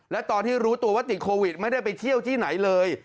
และตอนที่รู้ตัวว่าติดโควิดไม่ได้ไปเที่ยวที่ไหนเลย